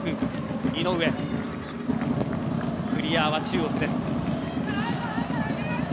クリアは中国です。